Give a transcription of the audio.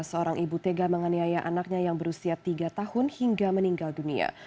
seorang ibu tega menganiaya anaknya yang berusia tiga tahun hingga meninggal dunia